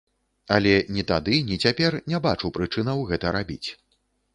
Але ні тады, ні цяпер не бачу прычынаў гэта рабіць.